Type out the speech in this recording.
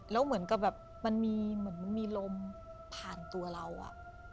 แล้วเหมือนกับแบบมันมีลมผ่านตัวเรา